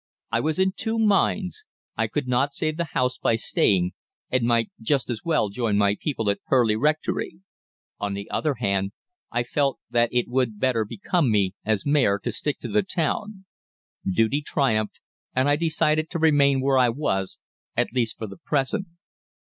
"I was in two minds. I could not save the house by staying, and might just as well join my people at Purleigh Rectory. On the other hand, I felt that it would better become me, as Mayor, to stick to the town. Duty triumphed, and I decided to remain where I was at least for the present.